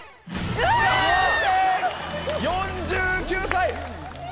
４９歳！